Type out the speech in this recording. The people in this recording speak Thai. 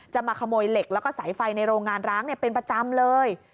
มาขโมยเหล็กแล้วก็สายไฟในโรงงานร้างเป็นประจำเลย